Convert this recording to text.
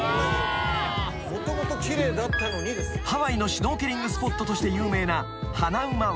［ハワイのシュノーケリングスポットとして有名な］